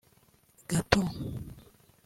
gateaux